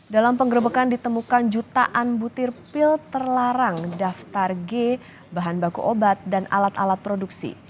dalam penggerbekan ditemukan jutaan butir pil terlarang daftar g bahan baku obat dan alat alat produksi